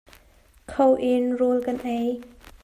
Kho in rawl kan ei.